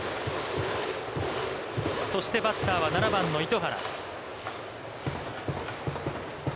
そして、バッターは７番の糸原。